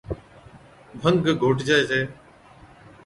ڀنگ گھوٽجي ڇَي